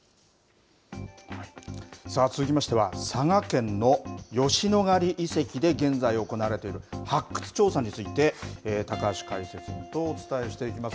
さあ、続きましては、佐賀県の吉野ヶ里遺跡で現在行われている発掘調査について、高橋解説委員とお伝えしていきます。